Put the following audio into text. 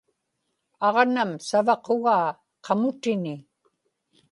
aġnam savaqugaa qamutini